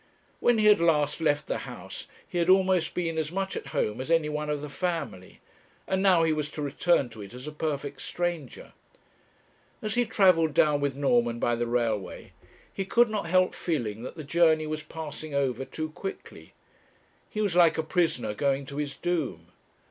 When he had last left the house he had almost been as much at home as any one of the family; and now he was to return to it as a perfect stranger. As he travelled down with Norman by the railway, he could not help feeling that the journey was passing over too quickly. He was like a prisoner going to his doom.